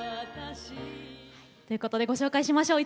ということでご紹介しましょう。